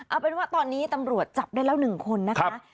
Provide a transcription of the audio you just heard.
เอาเป็นว่าตอนนี้ตำรวจจับได้แล้ว๑คนนะคะ